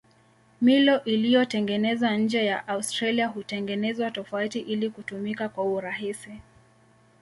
Milo iliyotengenezwa nje ya Australia hutengenezwa tofauti ili kutumika kwa urahisi.